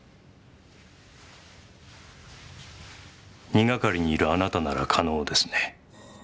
二係にいるあなたなら可能ですね？